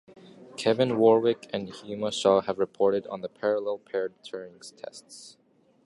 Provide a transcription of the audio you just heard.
Kevin Warwick and Huma Shah have reported on the parallel-paired Turing tests.